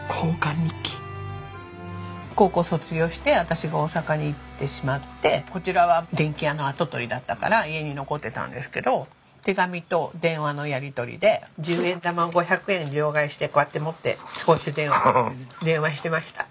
高校卒業して私が大阪に行ってしまってこちらは電気屋の跡取りだったから家に残ってたんですけど手紙と電話のやり取りで１０円玉を５００円両替してこうやって持って公衆電話で電話してました。